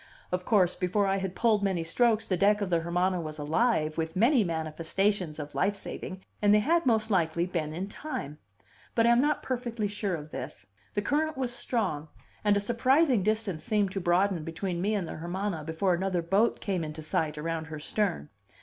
Of course, before I had pulled many strokes, the deck of the Hermana was alive with many manifestations of life saving and they had most likely been in time. But I am not perfectly sure of this; the current was strong, and a surprising distance seemed to broaden between me and the Hermana before another boat came into sight around her stern.